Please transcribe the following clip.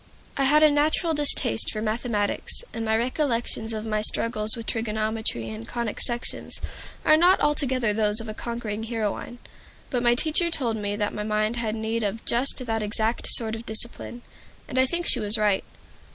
I had a natural distaste for mathematics, and my recollections of my struggles with trigonometry and conic sections are not altogether those of a conquering heroine. But my teacher told me that my mind had need of just that exact sort of discipline, and I think she was right.